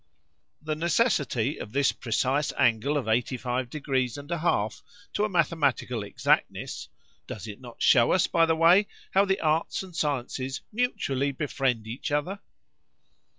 The necessity of this precise angle of 85 degrees and a half to a mathematical exactness,——does it not shew us, by the way, how the arts and sciences mutually befriend each other?